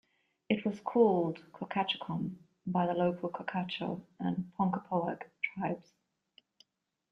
It was called Cochaticquom by the local Cochato and Ponkapoag tribes.